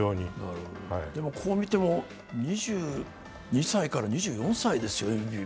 こう見ても２２歳から２４歳ですよ。